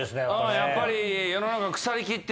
やっぱり。